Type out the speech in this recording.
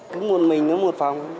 cứ muộn mình muộn phòng